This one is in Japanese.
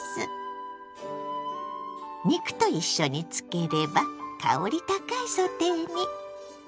肉と一緒に漬ければ香り高いソテーに。